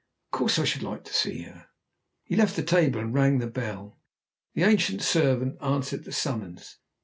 Of course I should like to see her!" He left the table and rang the bell. The ancient man servant answered the summons.